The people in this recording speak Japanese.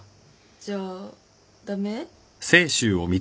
じゃあ駄目？